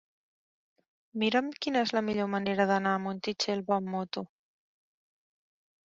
Mira'm quina és la millor manera d'anar a Montitxelvo amb moto.